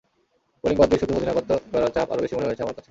Bowling বাদ দিয়ে শুধু অধিনায়কত্ব করার চাপ আরও বেশি মনে হয়েছে আমার কাছে।